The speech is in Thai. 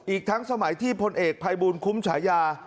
อีกทั้งสมัยที่พลเอกภัยบูลคุ้มฉายา